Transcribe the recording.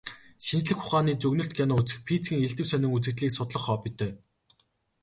Шинжлэх ухааны зөгнөлт кино үзэх, физикийн элдэв сонин үзэгдлийг судлах хоббитой.